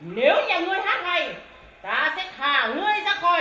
nếu nhà ngươi hát hay ta sẽ thả ngươi ra coi